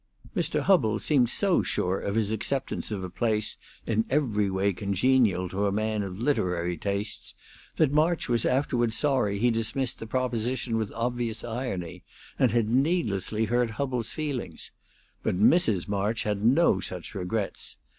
Mr. Hubbell seemed so sure of his acceptance of a place in every way congenial to a man of literary tastes that March was afterward sorry he dismissed the proposition with obvious irony, and had needlessly hurt Hubbell's feelings; but Mrs. March had no such regrets.